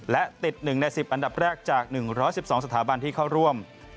และติด๑ใน๑๐อันดับแรกจาก๑๑๒สถาบันที่เข้าร่วม